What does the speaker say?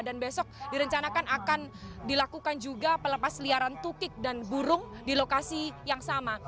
dan besok direncanakan akan dilakukan juga pelepas liaran tukik dan burung di lokasi yang sama